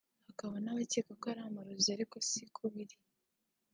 hakaba n’abakeka ko ari amarozi ariko si ko biri